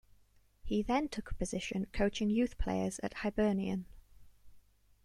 He then took a position coaching youth players at Hibernian.